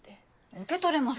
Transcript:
受け取れますよ。